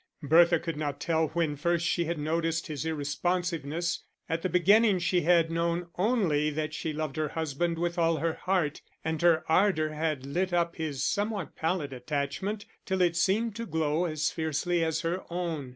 Bertha could not tell when first she had noticed his irresponsiveness; at the beginning she had known only that she loved her husband with all her heart, and her ardour had lit up his somewhat pallid attachment till it seemed to glow as fiercely as her own.